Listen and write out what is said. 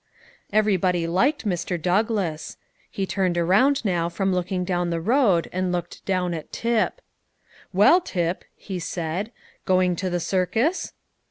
Everybody liked Mr. Douglass. He turned around now from looking down the road, and looked down at Tip. "Well, Tip," he said, "going to the circus?"